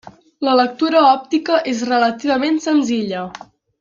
La lectura òptica és relativament senzilla.